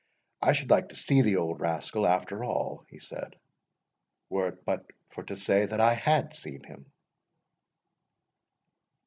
"I should like to see the old rascal after all," he said, "were it but to say that I had seen him."